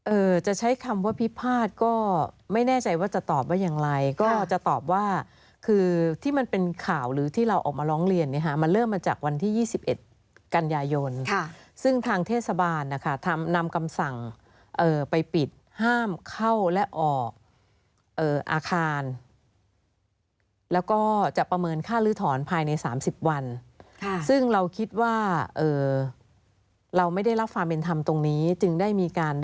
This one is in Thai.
จะใช้คำว่าพิพาทก็ไม่แน่ใจว่าจะตอบว่าอย่างไรก็จะตอบว่าคือที่มันเป็นข่าวหรือที่เราออกมาร้องเรียนเนี่ยฮะมันเริ่มมาจากวันที่ยี่สิบเอ็ดกันยายนค่ะซึ่งทางเทศบาลนะคะทำนำคำสั่งเอ่อไปปิดห้ามเข้าและออกเอ่ออาคารแล้วก็จะประเมินค่าลื้อถอนภายในสามสิบวันค่ะซึ่งเราคิดว่าเอ่อเราไม่ได้รับความเป็นธรรมตรงนี้จึงได้มีการ